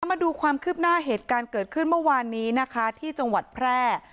มาดูความคืบหน้าเหตุการณ์เกิดขึ้นเมื่อวานนี้นะคะที่จังหวัดแพร่